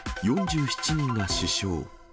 ４７人が死傷。